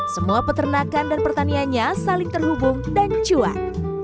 semua peternakan dan pertaniannya saling terhubung dan cuat